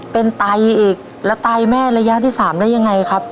เป็นไตอีกแล้วไตแม่ระยะที่๓ได้ยังไงครับ